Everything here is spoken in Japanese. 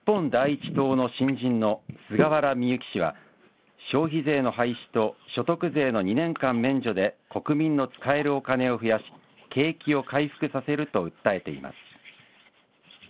日本第一党の新人の菅原深雪氏は、消費税の廃止と所得税の２年間免除で国民の使えるお金を増やし、景気を回復させると訴えています。